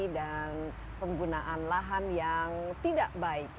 dan penggunaan lahan yang tidak baik